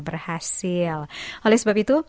berhasil oleh sebab itu